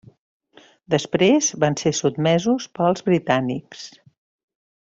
Després van ser sotmesos pels britànics.